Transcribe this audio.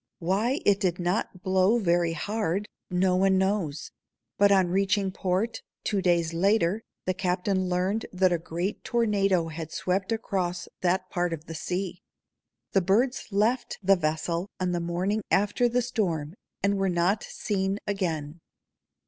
Why it did not blow very hard, no one knows; but on reaching port, two days later, the captain learned that a great tornado had swept across that part of the sea. The birds left the vessel on the morning after the storm and were not seen again.